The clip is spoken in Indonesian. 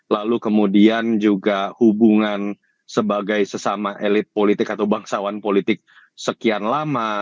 lalu kemudian juga hubungan sebagai sesama elit politik atau bangsawan politik sekian lama